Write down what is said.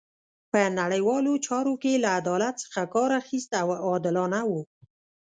په نړیوالو چارو کې یې له عدالت څخه کار اخیست او عادلانه وو.